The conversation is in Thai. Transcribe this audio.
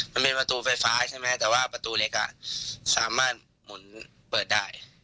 มันเป็นประตูไฟฟ้าใช่ไหมแต่ว่าประตูเล็กสามารถหมุนเปิดได้